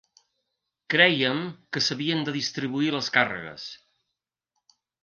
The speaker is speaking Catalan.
Crèiem que s’havien de distribuir les càrregues.